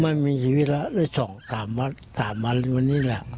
ไม่มีชีวิตแล้ว๒๓วันวันนี้แหละ